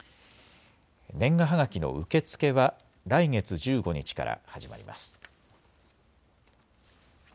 年賀はがきの受け付けは来月１５日から始まります。